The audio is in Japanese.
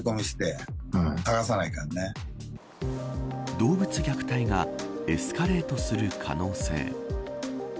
動物虐待がエスカレートする可能性。